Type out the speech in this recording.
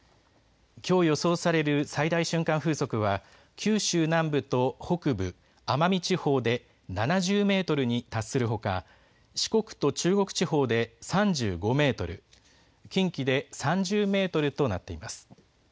きょう予想される最大瞬間風速は、九州南部と北部、奄美地方で７０メートルに達するほか、四国と中国地方で３５メートル、近畿で３０メートルとなっています。